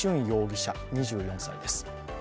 容疑者２４歳です。